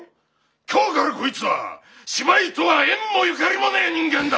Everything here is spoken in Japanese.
今日からこいつは芝居とは縁もゆかりもねえ人間だ！